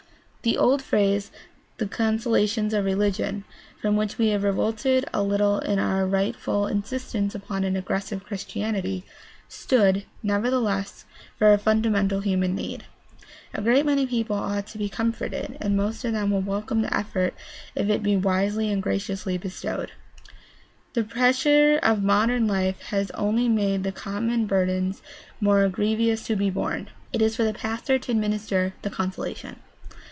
The old phrase, " the consolations of religion," from which we have revolted a little in our rightful insistence upon an aggressive Christianity, stood, nevertheless, for a fundamental human need. A great many people ought to be comforted, and most of them will welcome the effort if it be wisely and graciously bestowed. The pressure of modern life has only made the common burdens more grievous to be borne. It is for the pastor to administer the consolation.